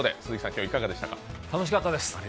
楽しかったです。